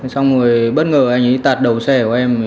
xong rồi bất ngờ anh ấy tạt đầu xe của em